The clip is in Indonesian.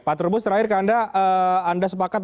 pak trubus terakhir ke anda anda sepakat